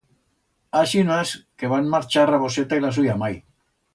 Aixinas que van marchar Raboseta y la suya mai.